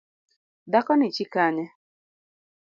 Dhakoni chi Kanye?